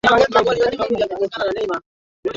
alisoma uchumi katika chuo kikuu cha dar es salaam